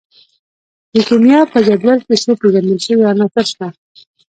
د کیمیا په جدول کې څو پیژندل شوي عناصر شته.